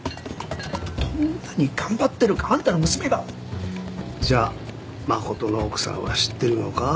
どんなに頑張ってるかあんたの娘がじゃあ誠の奥さんは知ってるのか？